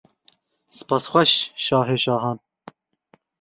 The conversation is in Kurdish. Spas xweş, şahê şahan.